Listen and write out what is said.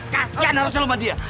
kasian harusnya sama dia